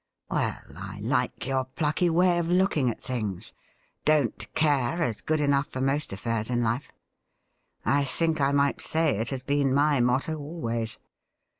'Well, I like your plucky way of looking at things. Don't care is good enough for most affairs in life. I think I might say it has been my motto always.